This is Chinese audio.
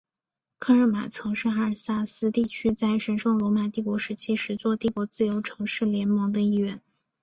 科尔马曾是阿尔萨斯地区在神圣罗马帝国时期十座帝国自由城市联盟的一员。